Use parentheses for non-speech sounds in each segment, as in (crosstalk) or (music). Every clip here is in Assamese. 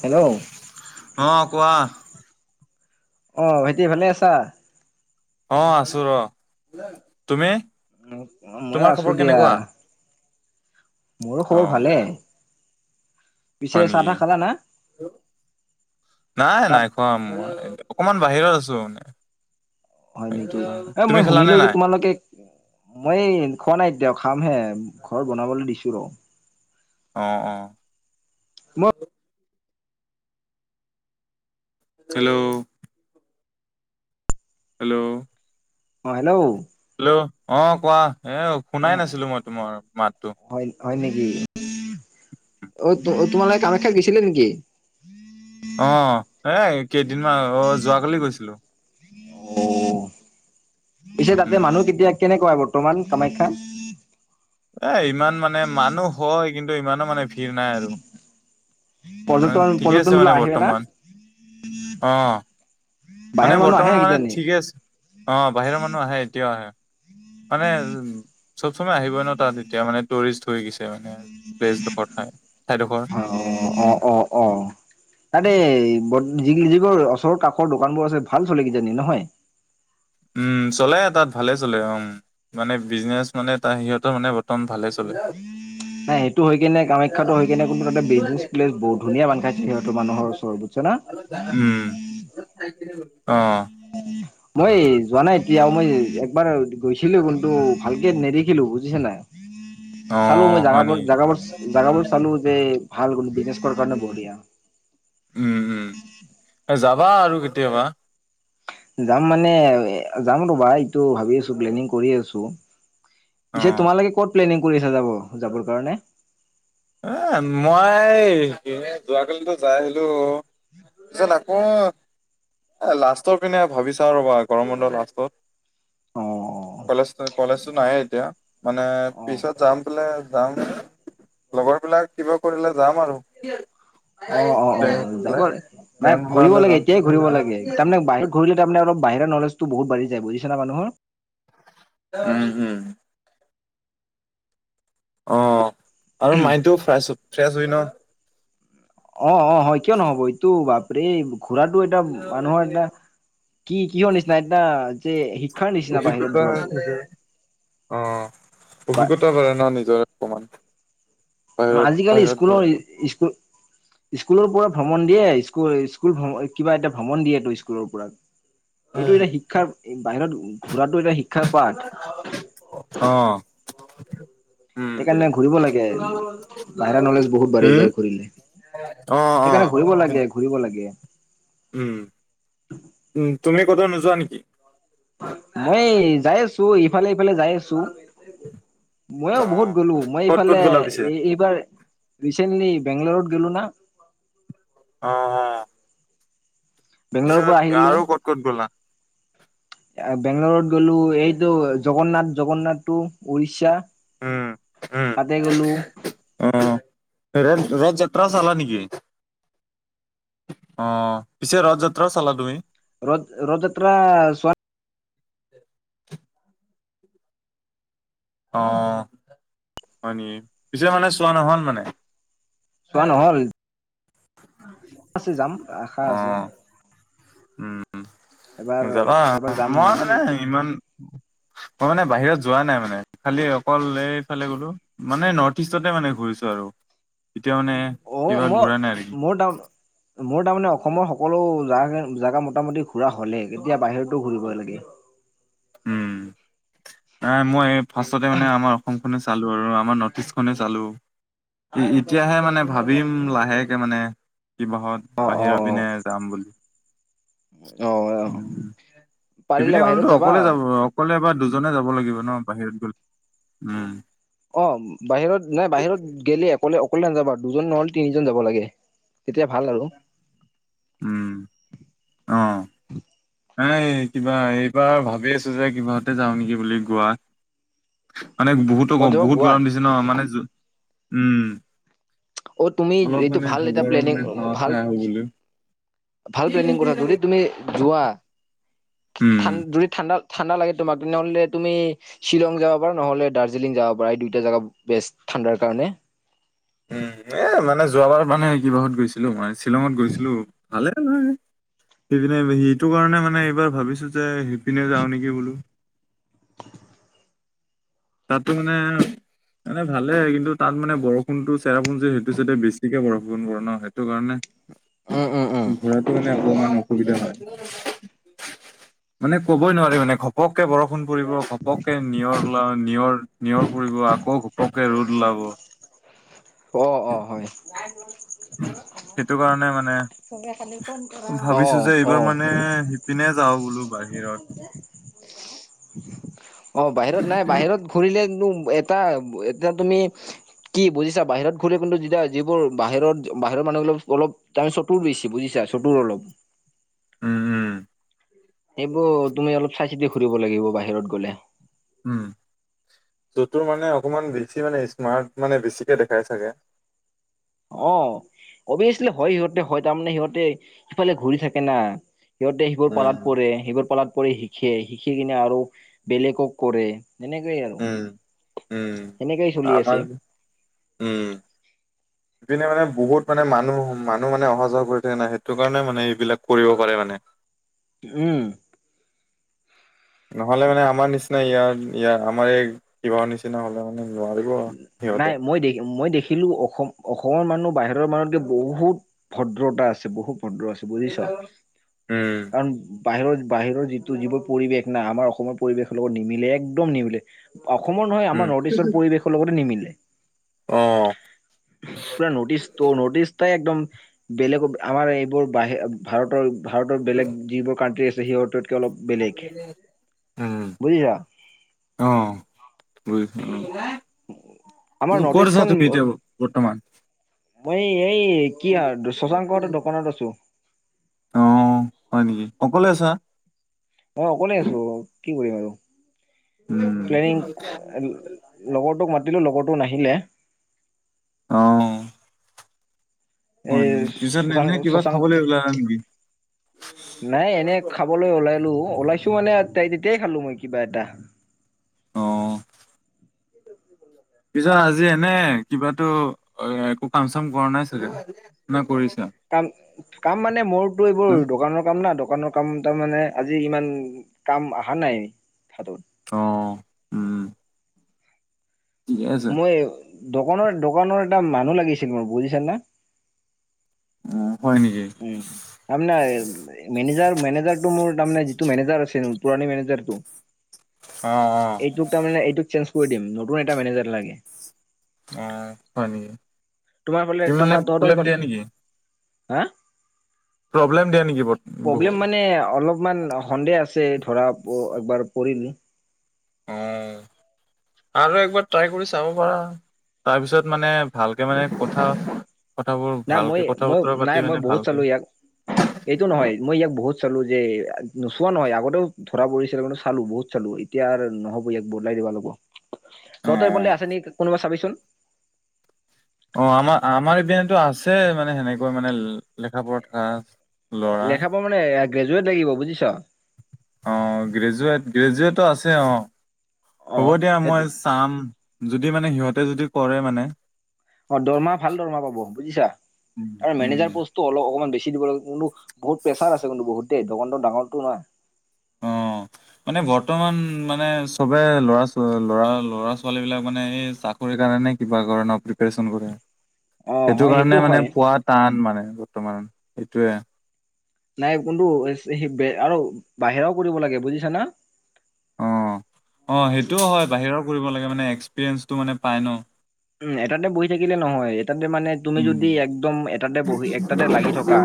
হেল্ল'? অ কোৱা অ', ভাইটি ভালে আছা? অ', আছোঁ ৰ। তুমি? মই তোমাৰ আছোঁ খবৰ দিয়া। কেনেকুৱা মোৰো অ খবৰ ভালেই। হয় নেকি। নাই তাত নাই কোৱা, অকমান বাহিৰত আছোঁ মানে। হয় সেইটো নেকি? এ তুমি মই খেলানে শুনিলোঁ যে নাই তোমালোকে মই এই খোৱা নাই এতিয়া খামহে, ঘৰত বনাবলৈ দিছোঁ ৰ'। অ', অ'। মই হেল্ল'? হেল্ল'? অ', হেল্ল'? হেল্ল'। অ', কোৱা? এ শুনাই নাছিলোঁ মই তোমাৰ মাতটো। হয় হয় নেকি? অ', তোমালোকে কামাখ্যাত গৈছিলা নেকি? অ', এই কেইদিনমান আগত। অ', যোৱাকালি গৈছিলোঁ। অ পিছে তাতে উম মানুহ কেতিয়া, কেনেকুৱা বৰ্তমান কামাখ্যাত? এ ইমান মানে মানুহ হয়, কিন্তু ইমানো মানে ভিৰ নাই আৰু। পৰ্যটন ঠিকে পৰ্যটন আছে মানে বিলাক আহে না? বৰ্তমান। অ', মানে বাহিৰৰ মানুহ আহে বৰ্তমান মানে কিজানি? ঠিকে আছে। অ', বাহিৰৰ মানুহ আহে, এতিয়াও আহে। মানে চব চমে আহিবই ন, তাত এতিয়া মানে টুৰিষ্ট হৈ গৈছে মানে। প্লেছডোখৰ ঠাই, ঠাইডোখৰ। অ', অ', অ', অ'। তাতে যি যিবোৰ ওচৰ কাষৰ দোকানবোৰ আছে, ভাল চলে কিজানি নহয়? উম্, চলে তাত ভালে চলে উম্। মানে বিজনেচ মানে তাৰ, সিহঁতৰ মানে বৰ্তমান ভালে চলে। নাই সেইটো হৈ কিনে কামাখ্যাটো হৈ কিনে, তাতে বিজনেছ প্লেছ বহুত ধুন বান্ধ খাইছে। সিহঁতৰ মানুহৰ ওচৰত বুজিছ না। উম, অ মই যোৱা নাই এতিয়া, মই একবাৰ গৈছিলো কিন্তু ভালকে নেদেখিলো বুজিছ নাই। অ চালো মই হয় জাগাবোৰ নেকি জাগাবোৰ- জাগাবোৰ চালো যে ভাল গলো বিজনেছ কৰাৰ কাৰণে বঢ়িয়া। উম', উম, এ যাবা আৰু কেতিয়াবা। যাম মানে যাম ৰ'বা এইটো ভাবি আছো প্লেনিং কৰি আছো। অ পিছে তোমালোকে কত প্লেনিং কৰি আছা যাব যাবৰ কাৰণে? এ মই যোৱাকালিটো যাই আহিলো। যা লগবো। এ লাষ্টৰ পিনে ভাবি চাওঁ ৰ'বা গৰম বন্ধ লাষ্টত। অ', কলেজ কলেজটো নাই এতিয়া। মানে অ', অ'। পিছত যাম কলে যাম। লগৰ বিলাক কিবা কৰিলে যাম আৰু। অ', অ', অ' যাব নাই প্লেন ঘূৰিব বনালে লাগে যাম। এতিয়া- ঘূৰিব লাগে। তাৰামানে বাহিৰত ঘূৰি তাৰমানে বাহিৰৰ নলেজটো বহুত বাঢ়ি যায় বুজিছানে মানুহৰ। উম, হুম। অ', আৰু মাইণ্ডটো ফ্ৰেছ ফ্ৰেছ হয় ন। অ', অ', হয় কিয় নহ'ব। এইটো বাপৰে ঘোৰাটো এটা মানুহৰ এটা- কি কিহৰ নিচিনা সেইদিনা যে- শিক্ষাৰ নিচিনা বাহিৰত অভিজ্ঞতা ঘূৰাটো থাকে। অ বা অভিজ্ঞতাও হয় ন নিজৰে অকমান। বাহিৰত আজিকালি বাহিৰত স্কুলৰ ঘৰত স্কুল- স্কুলৰ পৰা ভ্ৰমণ দিয়ে স্কুল স্কুল কিবা এটা ভ্ৰমণ দিয়ে তো স্কুলৰ পৰা। এইটো এটা শিক্ষাৰ বাহিৰত ঘূৰাটো এটা শিক্ষাৰ পাঠ। অ উম, সেইকাৰণে ঘূৰিব লাগে বাহিৰৰ নলেজ বহুত বাঢ়ি উম, যায় ঘূৰিলে। অ সেইকাৰণে অ'। ঘূৰিব লাগে ঘূৰিব লাগে। উম উম তুমি কটো নোযোৱা নেকি? মই যাই আছো ইফালে ইফালে যাই আছো। ছো, ময়োও বহুত অ'। গলো মই ক'ত ক'ত এইফালে গ'লা পিছে? এই এইবাৰ- ৰিচেণ্টলি বেংগালুৰুত গলো না। উম বেংগলোৰ পৰা আহিলো। আৰু ক'ত ক'ত গ'লা? বেংগলৰত গ'লো এইটো জগন্নাথ জগন্নাথ টো উৰিষ্যা। উম, উম, ততে গলো। অ ৰজ ৰজ যাত্ৰা চালা নেকি? অ পিছে ৰথ যাত্ৰাও চালা তুমি? ৰথ ৰথ যাত্ৰা চোৱা নাই। অ হয়নিকি, পিছে মানে চোৱা নহল মানে? চোৱা নহ'ল। আছে যাম আশা অ আছে। এবাৰ উম যাবা এবাৰ যাম মই মানে ইমান- (inaudible) মই মানে বাহিৰত যোৱা নাই মানে। খালি অকল এইফালে গলো। মানে নৰ্থ ইষ্টতে মানে ঘূৰিছো আৰু। এতিয়া মানে অ! কিবাত ঘূৰা নাই আৰু কি। মই মোৰ তাৰ মোৰ তাৰমানে অসমৰ সকলো জা জেগা মোটামুটি পুৰা হ'লে তেতিয়া বাহিৰতো ঘূৰিব লাগে। উম। আহ মই ফাৰ্ষ্টতে মানে আমাৰ অসম নে চালো আৰু। আমাৰ নৰ্থ ইষ্টখনে চালো। এতিয়াহে মানে ভাবিম লাহেকে মানে কিবাহত। অ অ বাহিৰৰ পিনে যাম বুলি। অ অ পাৰিলে সিপিনে বাহিৰত গলেতো যাবা অকলে যাব অকলে বা দুজনে যাব লাগিব ন বাহিৰত গ'লে। উম! অঁ! বাহিৰত নাই বাহিৰত গেলে অকলে-অকলে নাযাবা দুজন নহ'লে তিনিজন যাব লাগে তেতিয়া ভাল আৰু। উম। অ', এই কিবা এইবাৰ ভাবি আছো যে কিবাহতে যাওঁ নেকি বুলি গোৱা। মানে বহুতো ক'ত যাব বহুত গোৱাত গৰম দিছে ন মানে উম! অ! তুমি অলপ এইটো মানে ভাল এটা সাগৰৰ প্লেনিং মানে হাৱা ভাল খাই আহো বোলো ভাল প্লেনিং কৰা যদি তুমি যোৱা উম, ঠান যদি ঠাণ্ডা ঠাণ্ডা লাগে তোমাক তেনেহ'লে তুমি শ্বিলং যাব পাৰা নহ'লে দাৰ্জিলিং যাব পাৰা। এই দুইটা জেগা বেছ ঠাণ্ডাৰ কাৰণে। এ মানে যোৱাবাৰ মানে কিবাহত গৈছিলো মই। শ্বিলঙত গৈছিলোঁ ভালে হয়। সেইপিনে সেইটো কাৰণে মানে এইবাৰ ভাবিছো যে সিপিনে যাওঁ নেকি বোলো। তাতো মানে মানে ভালে কিন্তু তাত মানে বৰষুণটো চেৰাপুঞ্জী সেইটো ছাইটত বেছিকে বৰষুণ পৰে ন সেইটো কাৰণে উম উম উম ঘূৰাটো মানে অকমান অসুবিধা হয়। মানে কবই নোৱাৰি মানে ঘপককে বৰষুণ পৰিব, ঘপককে নিয়ৰ ওলা নিয়ৰ-নিয়ৰ পৰিব আকৌ ঘপকে ৰ'দ ওলাব। অ-অ! হয়। সেইটো কাৰণে মানে অ ভাবিছো যে অ এইবাৰ মানে ইপিনে যাওঁ বোলো বাহিৰত। অঁ বাহিৰত নাই বাহিৰত ঘূৰিলেনো এ তাত এতিয়া তুমি কি বুজিছা বাহিৰত ঘূৰিলে কিন্তু যেতিয়া যিবোৰ বাহিৰত বাহিৰৰ মানুহবিলাক অলপ তাৰ চতুৰ বেছি বুজিছা চতুৰ অলপ। উম-উম। এইবোৰ তুমি অলপ চাই চিতি ঘূৰিব লাগিব বাহিৰত গ'লে। উম! চতুৰ মানে অকমান বেছি মানে স্মাৰ্ট মানে বেছিকে দেখাই চাগে। অঁ! অবিয়েচলি হয় সিহঁতে হয় তাৰমানে সিহঁতে সিফালে ঘূৰি থাকে না। সিহঁতে সেইবোৰ উম পালাত পৰে। সেইবোৰ পালাত পৰি শিকে, শিকি কিনে আৰু বেলেগক কৰে। সেনেকেই আৰু উম উম সেনেকেই চলি আমাৰ আছে। উম! (unintelligible) সিপিনে মানে বহুত মানে মানুহ-মানুহ মানে অহা যোৱা কৰি থাকে না সেইটো কাৰণে মানে এইবিলাক কৰিব পাৰে মানে। উম। নহ'লে মানে আমাৰ নিচিনা ইয়াৰ-ইয়াৰ আমাৰ এই কিবাহৰ নিচি নিচিনা হ'লে মানে নোৱাৰিব আৰু নাই সিহঁতে। মই দেখ মই দেখিলোঁ অ অসম অসমৰ মানুহ বাহিৰ মানুহকে বহুত ভদ্ৰতা আছে বহুত ভদ্ৰ আছে। বুজিছ। শুম। বাহিৰ বাহিৰ যিটো যিবোৰ পৰিৱেশ না আমাৰ অসমৰ পৰিৱেশৰ লগত নিমিলে একদম নিমিলে। অসমৰ নহয় আমাৰ উম, নৰ্থ ইষ্টৰ পৰিৱেশৰ লগতে নিমিলে। অ। (unintelligible) পূৰা নৰ্থ ইষ্ট ত নৰ্থ ইষ্টএকদম বেলেগ আমাৰ এইবোৰ বাহি ভাৰতৰ ভাৰতৰ বেলেগ যিবোৰ কাণ্ট্ৰি আছে সিহঁতকে অলপ বেলেগ। বুজিছা? অ অ বুজিছোঁ, আমাৰ নৰ্থ ক'ত আছা ইষ্টখন তুমি এতিয়া বৰ্তমান? মই এই কি আৰ ছশাংকৰঁতৰ দোকানত আছো। অ হয় নেকি, অকলে আছা? মই অকলে আছো কি কৰিম আৰু, উম। প্লেনিং লগৰটোক মাতিলো লগৰটো নাহিলে। অ। হয় এই নেকি? পিছত ছশাংক এনে কিবা ছশাং খাবলৈ ওলালা নেকি? নাই এনে খাবলৈ ওলালো ওলাইছো মানে তেতিয়াই খালো মই কিবা এটা। অ', পিছে আজি এনে কিবাতো একো কাম চাম কৰা নাই চাগে, না কৰিছা? কাম কাম মানে মোৰতো এইবোৰ দোকানৰ কাম না দোকানৰ কাম তাৰ মানে আজি ইমান কাম অহা নাই হাতত। অ, উম। ঠিকে আছে। মই দোকানৰ দোকানৰ এটা মানুহ লাগিছিল মোক বুজিছা না। উম হয় নেকি? উম কাম নাই। মেনেজাৰ মেনেজাৰ টো মোৰ তাৰ মানে যিটো মেনেজাৰ আছিল পুৰণি মেনেজাৰ টো অ অহ। এইটোক তাৰ মানে এইটোক চেঞ্জ কৰি দিম, নতুন এটা মেনেজাৰ লাগে। অ হয় নেকি, তোমাৰ ফালে তোমাৰ হিমানে তহঁতৰ প্ৰব্লেম ফালে দিয়া নেকি? হা? প্ৰব্লেম দিয়ে নেকি বৰ? প্ৰব্লেম মানে অলপমান সন্দেহ আছে ধৰা একবাৰ পৰিলোঁ। অ'। (unintelligible) আৰু একবাৰ ট্ৰাই কৰি চাব পাৰা। তাৰপিছত মানে ভালকে মানে কথা কথাবোৰ নাই মই ভালকে কথা মই বতৰা নাই পাতি মই মানে বহুত চালো ভালকে‌। ইয়াক এইটো নহয় মই ইয়াক বহুত চালো যে নোচোৱা নহয় আগতেও ধৰা পৰিছিল কিন্তু চালো বহুত চালো এতিয়া নহব ইয়াক বদলাই দিবা লাগিব, তহতৰ ফালে আছে নেকি কোনোবা চাবিচোন। অ আমাৰ আমাৰ ইপিনেতো আছে মানে সেনেকৈ মানে লেখা পঢ়া থকা। ল'ৰা লেখা পঢ়া মানে গ্ৰেজুৱেট লাগিব বুজিছ? অ গ্ৰেজুৱেট গ্ৰেজুৱেটো আছে অ অ হ'ব দিয়া মই চাম যদি মানে সিহঁতে যদি কৰে মানে। অ দৰমহা ভাল দৰমহা পাব বুজিছা আৰে মেনেজাৰ উম পষ্ট ত অলপ অকমান বেছি দিব লাগে কিন্তু বহুত প্ৰেছাৰ আছে কিন্তু বহু দোকানটো ডাঙৰটো না। অ (unintelligible) মানে বৰ্তমান মানে চবে ল'ৰা লৰা ল'ৰা-ছোৱালী বিলাক মানে এই চাক‌ চাকৰিৰ কাৰণে কিবা কাৰণে প্ৰিপাৰেচন কৰে। অ সেইটো হয় কাৰণে মানে হয় পোৱা টান মানে বৰ্তমানৰ সেইটোয়ে। নাই কোনটো আৰু বাহিৰাও কৰিব লাগে বুজিছা ন। অ অ সেইটোও হয় বাহিৰৰ কৰিব লাগে মানে এক্সপিৰিয়েঞ্চেটো মানে পায় ন। উম এটাতে বহি থাকিলে নহয় এটাতে মানে তুমি উম যদি একদম এটাতে বহি একটাতে লাগি থকা,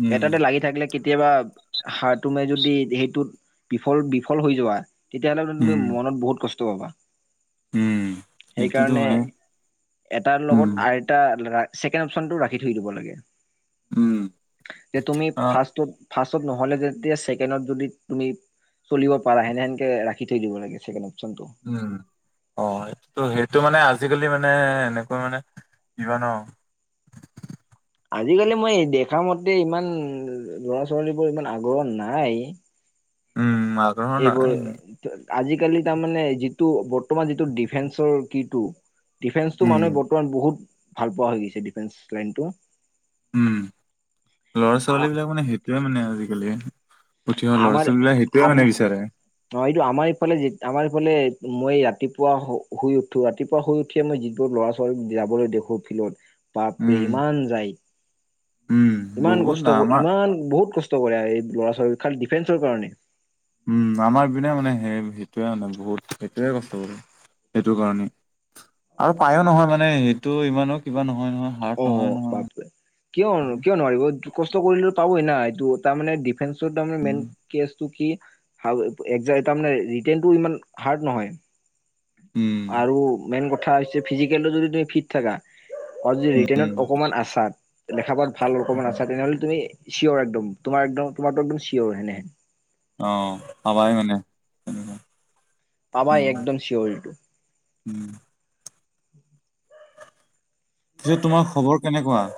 উম এটাতে লাগি থাকিলে কেতিয়াবা হাৰ তুমি যদি সেইটোত বিফল বিফল হৈ যোৱা। তেতিয়াহ'লে মানে তুমি উম মনত বহুত কষ্ট পাবা। উম সেইটোতো সেইকাৰণে হয়ে। এটাৰ লগত আৰু এটা ছেকেণ্ড অপশচন টো ৰাখি থৈ দিব লাগে। উম যে তুমি অ ফাৰ্ষ্টত ফাৰ্ষ্ট নহ'লে যেতিয়া ছেকেণ্ডত যদি তুমি, চলিব পাৰা হেনেহেকে ৰাখি থৈ দিব লাগে ছেকেণ্ড অপশচনটো। উম অ ত সেইটো মানে আজিকালি মানে এনেকৈ মানে কিবা ন, আজিকালি মই দেখা মতে ইমান ল'ৰা ছোৱালী বোৰ ইমান আগ্ৰহ নাই। উম আগ্ৰহ নাই এইবোৰ ইমান। আজিকালি তাৰমানে যিটো বৰ্তমান যিটো ডিফেন্সৰ কিটো ডিফেন্সটো উম মানুহে বৰ্তমান বহুত ভাল পোৱা হৈ গৈছে ডিফেন্স লাইনটো। উম লৰা ছোৱালী বিলাক মানে সেইটোয়ে মানে আজিকালি। উঠি অহা লৰা ছোৱালীবিলাক সেইটোৱে মানে বিচাৰে। অ এইটো আমাৰ ইফালে আমাৰ ইফালে মই ৰাতিপুৱা শুই উঠো ৰাতিপুৱা শুই উ মই যিবোৰ ল'ৰা ছোৱালী যাবলৈ দেখো ফিল্ডত বাপৰে উম ইমান যায়। উম ইমান বহুত কষ্ট আমাৰ ইমান বহুত কষ্ট কৰে এই ল'ৰা ছোৱালী খাল ডিফেন্সৰ কাৰণে। উম আমাৰ পিনে মানে সেই সেইটোৱে মানে বহুত সেইটোৱে কষ্ট কৰে সেইটো কাৰণে। আৰু পায়ো নহয় মানে সেইটো ইমানো কিবা নহয় নহয়। হাৰ্ড অ নহয় নহয় বাপে কিয় কিয় নোৱাৰিব কষ্ট কৰিলে পাবই না এইটো তাৰমানে ডিফেন্সৰ তাৰে মেইন কেচটো কি। (unintelligible) তাৰে ৰিটাৰটো ইমান হাৰ্ড নহয়। উম। আৰু মেইন কথা হৈছে ফিজিকেলো যদি তুমি ফিট থাকা। অ যদি ৰিটেন অকমান আছা ত লেখা পঢ়াত ভাল অকমান আছা তেনেহলে তুমি চিঅৰ একদম তোমাৰ একদম তোমাৰ টো একদম চিঅৰ হেনে। অ হবাই মানে। তেনেকুৱা পাবা উম একদম চিয়ৰ এইটো। (unintelligible) পিছে তোমাৰ খবৰ কেনেকুৱা।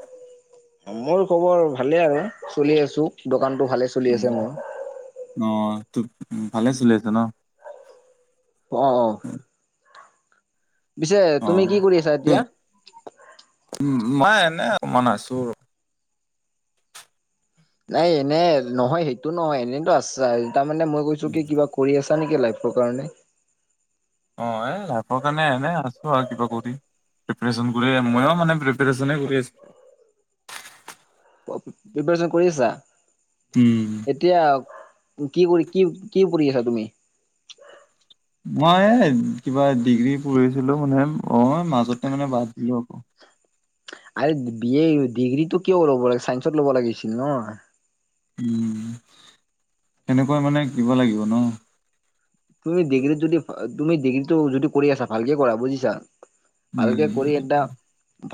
মোৰ খবৰ ভালে আৰু চলি আছো দোকানতো ভালেই ছ অ ত ভালে আছিলে তো ন। অ অ, পিছে অ তুমি কি কৰি আছা এ এতিয়া মাই এনে অকমান আছো। নাই এনে নহয় সেইটো নহয় এনেইতো আছাই তাৰমানে মই কৈছো কি কিবা কৰি আছা নেকি লাইফটোৰ কাৰণে। অ এই লাইফৰ কাৰণে এনে আছো আৰু কিবা কৰি। প্ৰিপেৰেচন কৰি ময়ো মানে প্ৰিপেৰেশ্যনেই কৰি আছোঁ। প্ৰিপেৰেচন কৰি আছা। উম, এতিয়া কি কৰি কি কি কৰি আছা তুমি। মই এই কিবা ডিগ্ৰী পঢ়িছিলো মানে অঁ' মাজতে মানে বাদ দিলো আকৌ। আ (inaudible) বি এ ডিগ্ৰীটো কিয় ল'ব লাগে চাইন্সত ল'ব লাগিছিল ন'। উমঁ' সেনেকুৱা মানে কিবা লাগিব ন'। তুমি ডিগ্ৰি যদি তুমি ডিগ্ৰীটো যদি কৰি আছা ভালকে কৰা বুজিছা। ভালকে উম কৰি এটা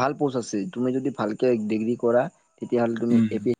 ভাল পোষ্ট আছে। তুমি যদি ভালকে ডিগ্ৰী কৰা- তেতিয়া হ'লে তুমি উম। A P